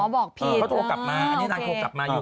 บอกพี่เขาโทรกลับมาอันนี้นางโทรกลับมาอยู่